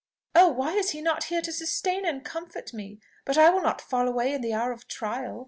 Oh! why is he not here to sustain and comfort me! But I will not fall away in the hour of trial!"